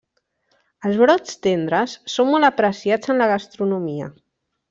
Els brots tendres són molt apreciats en la gastronomia.